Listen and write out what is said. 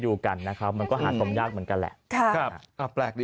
ดูกันนะครับมันก็หาความยากเหมือนกันแหละครับอ่ะแปลกดี